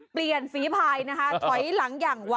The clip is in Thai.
เปลี่ยนสีภายถอยหลังอย่างไว